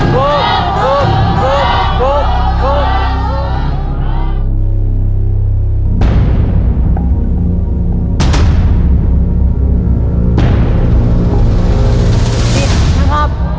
ถูก